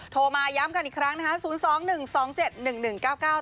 โทรมาย้ำกันอีกครั้งนะคะ๐๒๑๒๗๑๑๙๙